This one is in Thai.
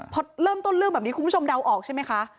พอเริ่มต้นเรื่องแบบนี้คุณผู้ชมเดาออกใช่ไหมคะ